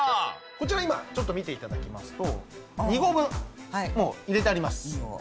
こちらは今ちょっと見て頂きますと２合分もう入れてあります。